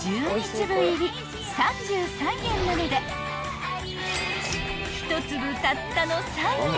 ［１２粒入り３３円なので１粒たったの３円！］